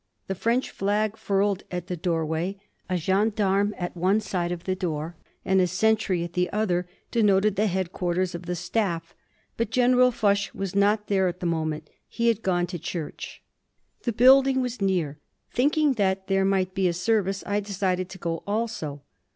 The French flag furled at the doorway, a gendarme at one side of the door and a sentry at the other, denoted the headquarters of the staff. But General Foch was not there at the moment. He had gone to church. The building was near. Thinking that there might be a service, I decided to go also.